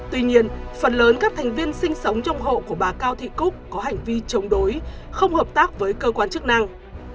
tuy nhiên phần lớn các thành viên sinh sống trong hộ của bà cao thị cúc có hành vi chống đối không hợp tác với cơ quan chức năng